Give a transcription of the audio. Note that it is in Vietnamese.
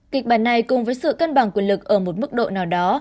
kịch bản này cùng với sự cân bằng quyền lực ở một mức độ nào đó